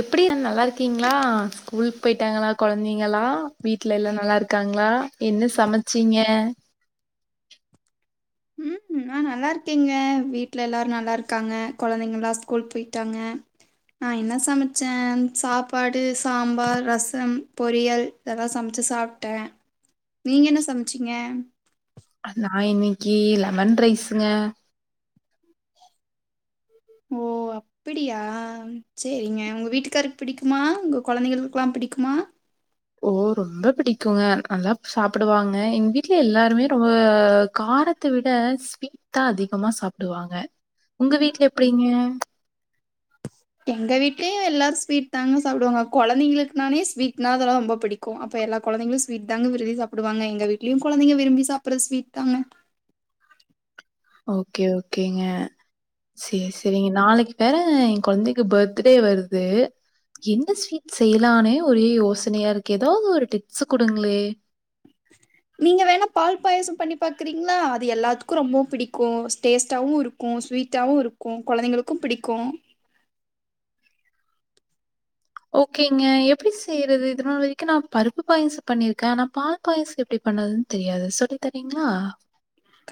எப்டின்னா நல்லாருக்கீங்களா ஸ்கூலுக் போயிட்டாங்களா கொழந்தைங்களா வீட்ல எல்லா நல்லாருக்காங்களா என்ன சமச்சீங்க நா நல்லா இருக்கேங்க வீட்ல எல்லாரு நல்லா இருக்காங்க கொழந்தைங்கல்லா ஸ்கூல் போயிட்டாங்க நான் என்ன சமச்சேன் சாப்பாடு சாம்பார் ரசம் பொரியல் இதெல்லாம் சமச்சு சாப்டேன் நீங்க என்ன சமச்சீங்க நான் இன்னைக்கு லெமன் ரைஸுங்க ஓ ஆ அப்டியா சேரிங்க உங்க வீட்டுக்காருக்கு பிடிக்குமா உங்க கொழந்தைகளுக்குலாம் புடிக்குமா ஓ ரொம்ப புடிக்குங்க நல்லா சாப்பிடுவாங்க எங்க வீட்ல எல்லாருமே ரொம்ப கார த்த விட ஸ்வீட் தா அதிகமா சாப்பிடுவாங்க உங்க வீட்ல எப்படிங்க [inaudible] எங்க வீட்லயு எல்லார ஸ்வீட் தாங்க சாப்டுவாங்க கொழந்தைங்களுக்கு நாளே ஸ்வீட்னா அதெல்லாம் ரொம்ப புடிக் கும் அப்ப எல்லா குழந்தைகளும் ஸ்வீட் தாங்க விரும்பி சாப்படுவாங்க எங்க வீட்லயு குழந்தைங்க விரும்பி சாப்பிடறது ஸ்வீட் தாங்க ஓகே ஓகேங்க சேரி சேரிங்க நாளைக்கு வேற என் குழந்தைக்கு பர்த்டே வருது எந்த ஸ்வீட் செய்யலானே ஒரே யோசனையா இருக்கு ஏதாவது ஒரு டிப்ஸ் கொடுங்களே [inaudible] நீங்க வேணா பால் பாயசம் பண்ணி பாக்றீங்களா அது எல்லாத்துக்கும் ரொம்ப பிடிக்கும் டேஸ்ட்டாவும் இரு க்கும் ஸ்வீட்டாவு இருக்கு கொழந்தைங்களுக்கு பிடிக்கு ஓகேங்க எப்டி செய்றது இதுநாள் வரைக்கு நா பருப்பு பாயசோ பண்ணிருக்கே ஆனா பால் பாயாசோ எப்டி பண்ணதுன் தெரியாது சொல்லி தரீங்களா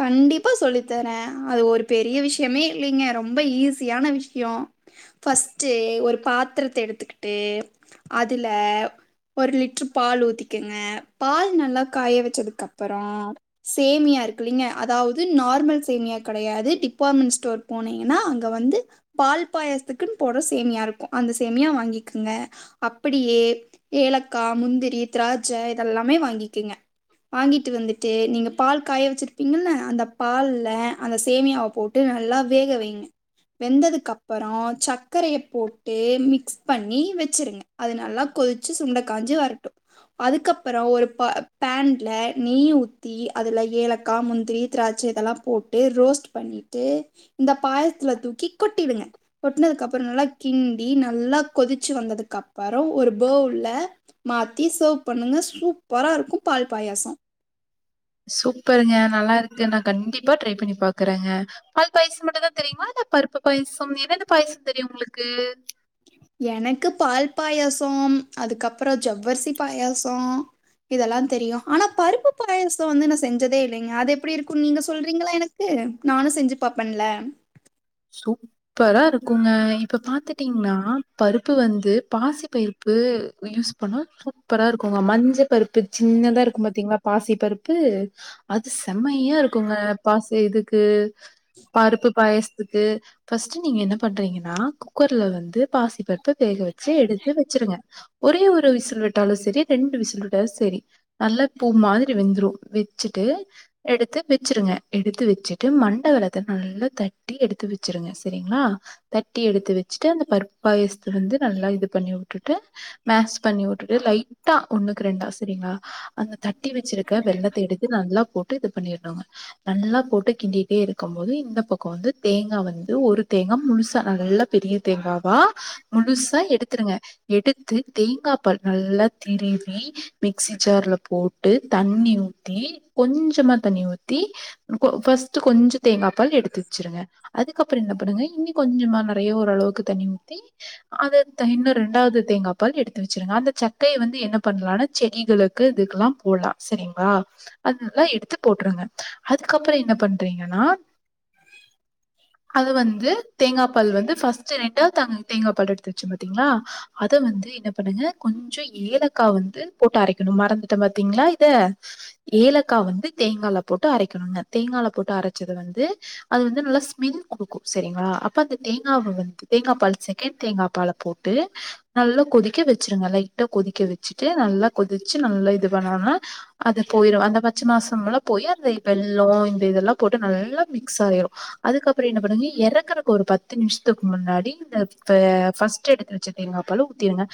கண்டிப்பா சொல்லி தர அது ஒரு பெரிய விஷயமே இல்லைங்க ரொம்ப ஈஸியான விஷயோ ஃபஸ்டு ஒரு பாத்திரத்த எடுத்துக்கிட்டு அதுல ஒரு லிட்ரு பால் ஊத்திக்கங்க பால் நல்லா காய வச்சதுக்கப்பறோ சேமியா இருக் குல்லிங்க அதாவது நார்மல் சேமையா கெடையாது டிபார்ட்மெண்ட் ஸ்டோர் போனீங்கன்னா அங்க வந்து பால் பாயசத்துக்குன்னு போடுற சேமியா இருக்கு அந்த சேமியா வாங்கிக்குங்க அப்படியே ஏலக்கா முந்திரி திராஜ இதெல்லாமே வாங்கிக்கங்க வாங்கிட்டு வந்துட்டு நீங்க பால் காய வச்சிரு ப்பீங்கள அந்த பால்ல அந்த சேமியாவ போட்டு நல்லா வேக வைங்க வெந்ததுக்கப்புறோ சக்கரைய போட்டு மிக்ஸ் பண்ணி வச்சுருங்க அது நல்லா கொதிச்சு சுண்ட காஞ்சு வரட்டு அதுக்கப்புறோ ஒரு பா பாண்ட்ல நெய் ஊத்தி அதுல ஏல க்கா முந்திரி திராட்சை இதெல்லாம் போட்டு ரோஸ்ட் பண்ணிட்டு இந்த பாயசத்துல தூக்கி கொட்டிடுங்க கொட்டுனதுக்கு அப்புறோ நல்லா கிண்டி நல்லா கொதிச்சு வந்ததுக்கு அப்பறோ ஒரு பவுல்ல மாத்தி சர்வ் பண்ணுங்க சூப்பரா இருக்கு பால் பாயாசம் சூப்பருங்க நல்லா இருக்கு நா கண்டிப்பா ட்ரை பண்ணி பாக்குறேங்க பால் பாயசம் மட்டுதா தெரியுங்களா இல்ல பருப்பு பாயசம் என்னெந்த பாயசம் தெரியும் உங்களுக்கு எனக்கு பால் பாயாசோம் அதுக்கப்றோ ஜவ்வரிசி பாயாசோ இதெல்லா தெரியு ஆனா பருப்பு பாயசம் வந்து நான் செஞ்சதே இல்லங்க அது எப்படி இருக்கும் நீங்க சொல்றீங்களா எனக் கு நானு செஞ்சு பாப்பேன்ல சூப்பரா இருக்குங்க இப்ப பாத்துட்டீங்கன்னா பருப்பு வந்து பாசி பயிர் ப்பு யூஸ் பண்ணா சூப்பரா இருக்குங்க மஞ்ச பருப்பு சின்னதா இருக்கும் பாத்தீங்களா பாசி பருப்பு அது செம்மையா இருக்குங்க பாசி இதுக்கு பருப்பு பாயசத்துக்கு பஸ்ட்டு நீங்க என்ன பண்றீங்கன்னா குக்கர்ல வந்து பாசி பருப்ப வேக வச்சு எடுத்து வெச்சிருங்க ஒரே ஒரு விசில் விட்டாலு செரி ரெண்டு விசில் விட்டாலும் சேரி நல்ல பூ மாதிரி வெந்துரும் வெச்சுட்டு எடுத்து வெச்சிருங்க எடுத்து வெச்சுட்டு மண்ட வெள்ளத்த நல்லா தட் ட்டி எடுத்து வெச்சிருங்க சரிங்களா தட்டி எடுத்து வச்சுட்டு அந்த பருப்பு பாயசத்த வந்து நல்லா இது பண்ணி விட்டுட்டு மேஸ் பண்ணி விட்டுட்டு லைட்டா ஒண்ணுக்கு ரெண்டா சரிங்களா அந்த தட்டி வெச்சிருக்க வெல்லத்த இடித்து நல்லா போட்டு இது பண்ணீருனுங்க நல்லா போட்டு கிண்டிட்டே இருக்கம் போது இந்த பக்கோ வந்து தேங்கா வந்து ஒரு தேங்கா முழுசா நல்லா பெரிய தேங்காவா முழுசா எடுத்துருங்க எடுத்து தேங்கா பால் நல்லா திருவி மிக்சி ஜார்ல போட்டு தண்ணி ஊத்தி கொஞ்சமா தண்ணி ஊத்தி அப்போ ஃபஸ்ட்டு கொஞ்சோ தேங்காப்பால் எடுத்து வச்சிருங்க அதுக்கப்பறோ என்ன பண்ணுங்க இன்னி கொஞ்சமா நறைய ஓரளவுக்கு தண்ணி ஊத்தி அததே இன்னு ரெண்டாவது தேங்கா பால் எடுத்து வச்சிருங்க அந்த சக்கய வந்து என்ன பண்ணலானா செடிகளுக் க்கு இதுக்குல்லா போட்லா சரிங்ளா அதுதா எடுத்து போட்ருங்க அதுக்கப்புறோ என்ன பண்றீங்கன்னா அது வந்து தேங்கா பால் வந்து ஃபஸ்ட்டு ரெண்டாது தேங்கா பால் எடுத்து வச்சே பாத்தீங்களா அத வந்து என்ன பண்ணுங்க கொஞ்சோ ஏலக்கா வந்து போட்டு அரைக்கணு மறந்துட்டன் பாாத்தீங்ளா இத ஏலக்கா வந்து தேங்கால போட்டு அரைக்கணுங்க தேங்கால போட்டு அரச்சத வந்து அது வந்து நல்லா ஸ்மெல் குடுக்கூ சரிங்களா அப்போ அந்த தேங்காவ வந்து தேங்கா பால் செகண்ட் தேங்கா பால போட்டு நல்லா கொதிக்க வச்சிருங்க லைட்டா கொதிக்க வெச்சுட்டு நல்லா கொதிச்சு நல்லா இது பண்ணோனா அது போயிரு அந்த பச்சை மாசம்ல போய் அந்த வெள்ளோ இந்த இதெல்லாம் போட்டு நல்லா மிக ஸ் ஆயிரு அதுக்கப்பறோ என்ன பண்ணுங்க எறக்குறக்கு ஒரு பத்து நிமிஷத்துக்கு முன்னாடி இந்த ஃபஸ்டு எடுத்து வச்ச தேங்காப்பாலு ஊத்திருங்க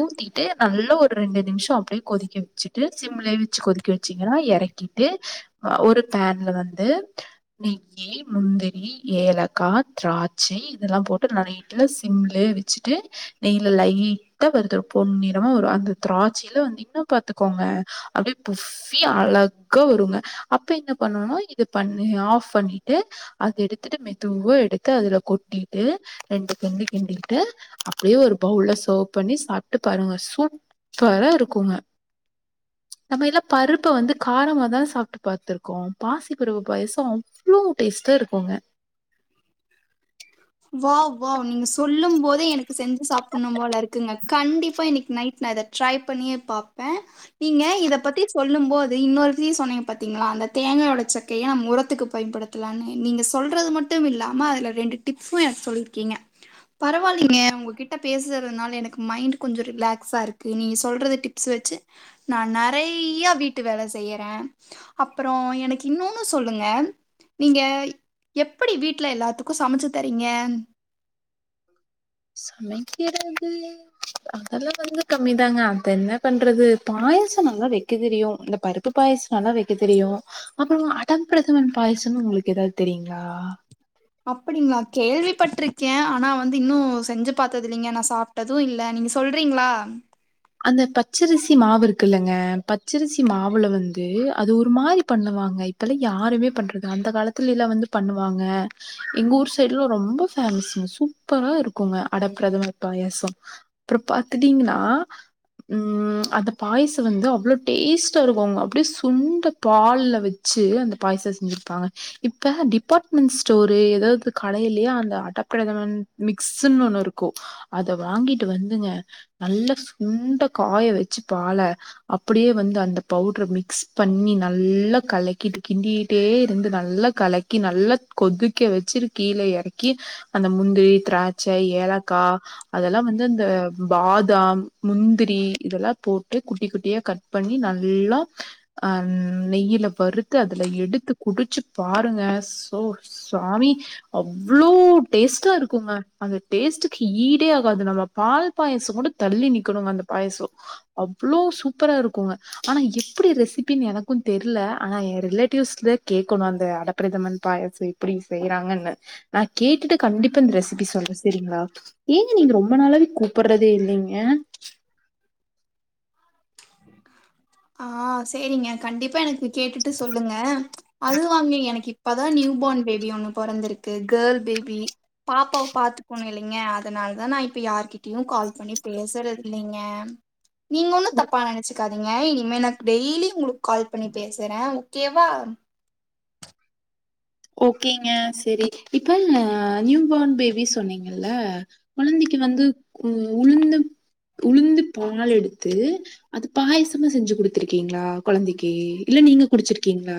ஊத்திட்டு நல்ல ஒரு ரெண்டு நிமிஷ அப்டியே கொதிக்க வச்சுட்டு சிம்லயே வச்சு கொதிக் க்க வச்சிங்கன்னா எறக்கிட்டு ஒரு ஃபேன்ல வந்து ளி முந்திரி ஏலக்கா திராட்சை இதெல்லா போட்டு நல்லா சிம்லே வச்சுட்டு நெய்ல லைட்டா வருத்து ஒரு பொண்ணிறமா வரு அந்த திராட்சைல வந்து இன்னு பாத்துக்கோங்க அப்டியே புஃப்பி அழகா வருங்க அப்ப என்ன பண்ணனு இது பண்ணி ஆஃப் பண்ணி ட்டு அத எடுத்துட்டு மெதுவா எடுத்து அதுல கொட்டிட்டு ரெண்டு கிண்டு கிண்டிக்கிட்டு அப்டியே ஒரு பவுல்ல சர்வ் பண்ணி சாப்ட்டு பாருங்க சூப் பரா இருக்குங்க நம்ம எல்லா பருப்ப வந்து காரமா தான சாப்ட்டு பாத்திருக்கோ பாசி பருப்பு பாயாசோ அவ்ளோ டேஸ்ட்டா இருக்குங்க வாவ் வாவ் நீங்க சொல்லும் போதே எனக்கு செஞ்சு சாப்பட்ணு போல இருக்குங்க கண்டிப்பா இன்னைக் நைட் நா இத ட்ரை பண்ணியே பாப்பே நீங்க இத பத்தி சொல்லும் போது இன்னொருத்தி சொன்னீங்க பாத்தீங்ளா அந்த தேங்கா ஓடச் சக்கைய நம்ம உரத்துக்கு பயன்படுத் த்லானு நீங்க சொல்றது மட்டுமில்லாம அதுல ரெண்டு டிப்பு எனக்கு சொல்லீருக்கீங்க பரவால்லீங்க உங்ககிட்ட பேசுறதுனால எனக்கு மைண்ட் கொஞ்சோ ரிலாக்ஸா இருக்கு நீங்க சொல்றது டிப் ஸ் வச்சு நா நெறைய்யா வீட்டு வேல செய்யறே அப்பறோ எனக்கு இன்னோன்னு சொல்லுங்க நீங்க எப்பிடி வீட் ல எல்லாத்துக்கு சமச்சு தரீங்க சமைக்கிறது அதெல்லா வந்து கம்மிதாங்க அத என்ன பண்றது பாயாசோ நல்லா வைக்க தெரியு இந்த பருப் பு பாயசோ நல்லா வைக்க தெரியு அப்றோ அடம்ப்ரதமன் பாயசன்னு உங்களுக்கு எதாது தெரியுங்ளா அப்டிங்ளா கேள்விப்பட்டிருக்கே ஆனா வந்து இன்னு செஞ்சு பாத்ததில்லைங்க நா சாப் டதூ இல்ல நீங்க சொல்றீங்ளா அந்த பச்சரிசி மாவு இருக்குல்லங்க பச்சரிசி மாவுல வந்து அது ஒரு மாரி பண்ணுவாங்க இப்பல்லா யாருமே பண்றதில்ல அந்த காலத்துல எல்லா வந்து பண்ணுவாங்க எங்க ஊர் சைடுலா ரொம்ப ஃபேமஸுங்க சூப்பரா இருக்குங்க அடப்ரதமர் பாயாசோ அப்றோ பாத்துட்டீங்ன்னா ம் அந்த பாயசோ வந்து அவ்ளோ டேஸ்டா இருக்குங்க அப்டே சுண்ட பால்ல வச் சு அந்த பாயச செஞ்சிருப்பாங்க இப்ப டிபாட்மெண்ட் ஸ்டோரு எதாது கடைலயே அந்த அடப்ரதமன் மிக்ஸுன் ஒண்ணு இருக்கு அத வாங்கிட்டு வந்துங்க நல்ல சுண்ட காய வச்சு பால அப்டியே வந்து அந்த பவுட்ர மிக்ஸ் பண்ணி நல்லா கலக்கிட்டு கிண்டிட்டே இருந்து நல்லா கலக்கி நல்லா கொதிக்க வச்சுரு கீழ எறக்கி அந்த முந்திரி த்ராட்சை ஏலக்கா அதெலா வந்து இந்த பாதாம் முந்திரி இதலா போட்டு குட்டி குட்டியா கட் பண்ணி நல்லா அ நெயில வறுத்து அதுல எடுத்து குடிச்சு பாருங்க சோ சுவாமி அவ்ளோ டேஸ்ட்டா இருக்குங்க அந்த டேஸ்டுக்கு ஈடே ஆகாது நம்ம பால் பாயசங் கூட தள்ளி நிக்கணுங்க அந்த பாயச அவ்ளோ சூப்பரா இருக்குங்க ஆனா எப்பிடி ரெசிபின்னு எனக்கு தெர்ல ஆனா ஏ ரிலேட்டிவ்ஸ்த கேக்கணு அந்த அடப்பிரேதமன் பாயஸ வீட் இப்பிடி செய்றாங்கன்னு நா கேட்டுட்டு கண்டிப்பா இந்த ரெசிபி சொல்றே செரிங்ளா ஏங்க நீங்க ரொம்ப நாளாவே கூப்பர்றதே இல்லிங்க ஆ சேரிங்க கண்டிப்பா எனக்கு கேட்டுட்டு சொல்லுங்க அது தாங்க எனக்கு இப்பதா நியூ பான் பேபி ஒன்னு பொறந்திருக்கு கேள் பேபி பாப்பாவ பாத்துக்கோணு இல்லீங்க அதனால்தா நா இப்ப யார்கிட்டியு கால் பண்ணி பேசறதில்லீங்க நீங்க ஒன்னு தப்பா நெனச்சுக்காதீங்க இனிமே நா டெய்லி உங்களுக் கால் பண்ணி பேசறே ஓகேவா ஓகேங்க செரி இப்ப நியூ பான் பேபி சொன்னீங்கல்ல கொழந்தைக் வந்து கு உளுந்து உளுந்து பால் எடுத்து அது பாயசமா செஞ்சு குடுத்துருக்கீங்ளா கொழந்தைக்கு இல்ல நீங்க குடிச்சிருக்கீங்ளா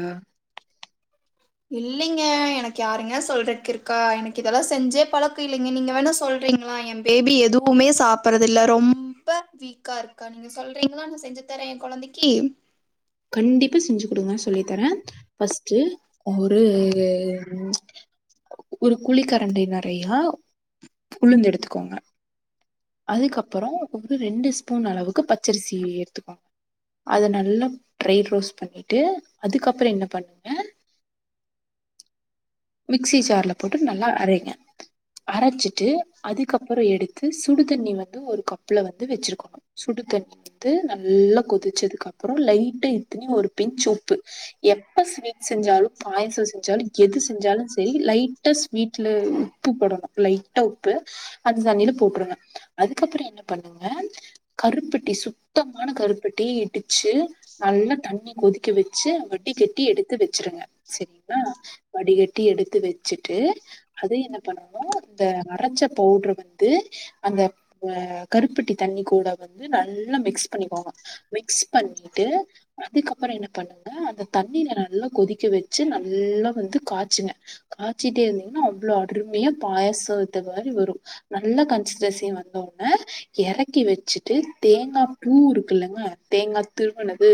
இல்லைங்க எனக் யாருங்க சொல்றக்கிருக்கா எனக்கு இதெல்லா செஞ்சே பழக்கோ இல்லைங்க நீங்க வேணா சொல்றீங்களா எம் பேபி எதுவ்மே சாப்பட்றதில்ல ரொம்ப வீக்கா இருக்கா நீங்க சொல்றீங்ளா நா செஞ்சு தர எ கொழந்தைக்கி கண்டிப்பா செஞ்சு குடுங்க சொல்லித்தரே ஃபஸ்ட்டு ஒரு ம் ஒரு குழிக்கரண்டி நெறையா உளுந்தெடுத்துக்கோங்க அதுக்கப்பறோ ஒரு ரெண்டு ஸ்பூன் அளவுக்கு பச்சரிசி எடுத்துக்கோங் அத நல்லா ட்ரை ரோஸ்ட் பண்ணீட்டு அதுக்கப்பறோ என்ன பண்ணுங்க மிக்சி ஜார்ல போட்டு நல்லா அரைங்க அரச்சிட்டு அதுக்கப்பறோ எடுத்து சுடு தண்ணி வந்து ஒரு கப்புல வந்து வெச்சிருக்கோணு சுடுதண்ணி ஊத்து நல்லா கொதிச்சதுக்கப்பறோ லைட்டா இத்தினி ஒரு பின்ச் உப்பு எப்ப ஸ்வீட் செஞ்சாலு பாயச செஞ்சாலு எது செ ஞ்சாலு செரி லைட்டா ஸ்வீட்ல உப்பு போடணு லைட்டா உப்பு அந்த தண்ணீல போட்ருங்க அதுக்கப்பறோ என்ன பண்ணுங்க கருப்பட்டி சுத்தமான கருப்பட்டிய இடிச்சு நல்லா தண்ணி கொதிக்க வெச்சு வடிகட்டி எடுத்து வெச்சிருங்க செரிங்ளா வடிகட்டி எடுத்து வெச்சிட்டு அது என்ன பண்ணனு இந்த அரச்ச பவுட்ரு வந்து அந்த அ கருப்பட்டி தண்ணி கூட வந்து நல்லா மிக்ஸ் பண்ணிக்கோங்க மிக்ஸ் பண்ணீட்டு அதுக்கப்பறோ என்ன பண்ணுங்க அந்த தண்ணீல நல்லா கொதிக்க வெச்சு நல்லா வந்து காச்சுங்க காச்சிட்டே இருந்தீங்னா அவ்ளோ அருமையா பாயசோ இது மாரி வரு நல்லா கன்சிஸ்டஸி வந்த உட்னே எறக்கி வெச்சிட்டு தேங்கா பூ இருக்குல்லங்க தேங்கா திருவுனது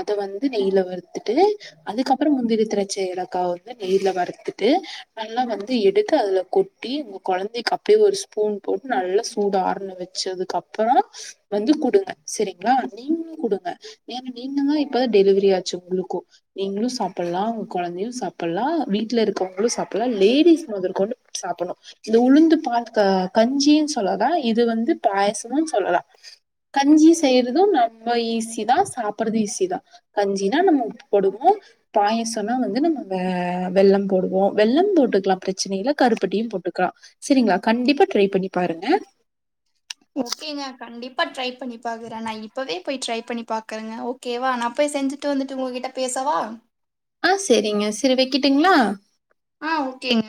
அத வந்து நெய்ல வறுத்துட்டு அதுக்கப்பறோ முந்திரி, திராச்ச, ஏலக்கா அத நெய்ல வறுத்துட்டு நல்லா வந்து எடுத்து அதுல கொட்டி உங்க கொழந்தைக் அப்டியே ஒரு ஸ்பூன் போட்டு நல்லா சூடாற்ன வெச் சதுக்கப்பறோ வந்து குடுங்க செரிங்ளா நீங்களு குடுங்க ஏங்க நீங்கதா இப் பதா டெலிவெரி ஆச்சு உங்களுக்கு நீங்ளு சாப்பட்லா உங்க கொழந்தையு சாப் பல்லா வீட்ல இருக்கவுங்ளு சாப்பட்லா லேடிஸ் மொதற்கொண்டு சாப்பட்ணு இந்த உளுந்துப் பால் க கஞ்சின் சொல்லாத இது வந்து பாயசமு சொல்லலா கஞ்சி செய்யறது ரொம்ப ஈசிதா சாப்பட்றது ஈசிதா கஞ்சினா நம்ம உப்பு போடுவோ பாயசோன்னா வந்து நம்ம வ வெல்லம் போடுவோ வெல்லம் போட்டுக்லா பிரச்சனையில்ல கருப்பட்டியு போட்டுக்லா சரிங்களா கண்டிப்பா ட்ரை பண்ணி பாருங்க ஓகேங்க கண்டிப்பா ட்ரை பண்ணி பாக்கறே நா இப்பவே போய் ட்ரை பண்ணி பாக்கறங்க ஓ கேவா நா போய் செஞ்சிட்டு வந்துட்டு உங்ககிட்ட பேசவா ஆ செரிங்க செரி வெக்கட்டுங்ளா ஆ ஓகேங்க